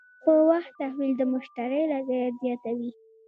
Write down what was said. په وخت تحویل د مشتری رضایت زیاتوي.